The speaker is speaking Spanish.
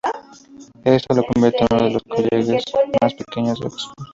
Esto le convierte en uno de los "colleges" más pequeños de Oxford.